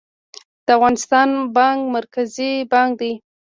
د افغانستان بانک مرکزي بانک دی